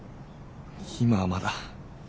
今はまだ。